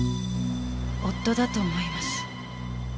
夫だと思います。